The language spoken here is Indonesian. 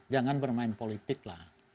jangan bermain politik lah